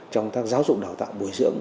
trong các giáo dục đào tạo bồi dưỡng